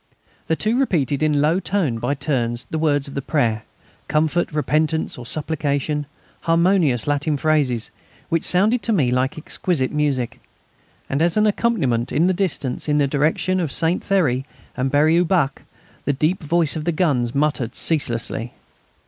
The two repeated, in a low tone by turns, words of prayer, comfort, repentance, or supplication, harmonious Latin phrases, which sounded to me like exquisite music. And as an accompaniment in the distance, in the direction of Saint Thierry and Berry au Bac, the deep voice of the guns muttered ceaselessly.